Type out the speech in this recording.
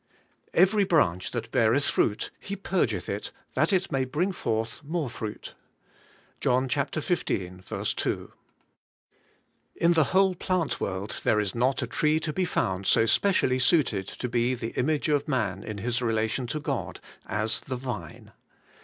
* Every branch that beareth fruit, He purgeth it, that it may bring forth more fruit. '— John xv. 2. IN the whole plant world there is not a tree to be found so specially suited to be the image of man in his relation to God, as the vine.